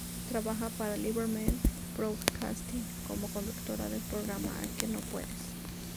Trabaja para Liberman Broadcasting, como conductora del programa "A que no puedes".